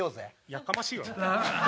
やかましいわ。